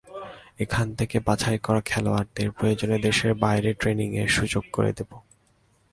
এখান থেকে বাছাই করা খেলোয়াড়দের প্রয়োজনে দেশের বাইরে ট্রেনিংয়ের সুযোগ করে দেব।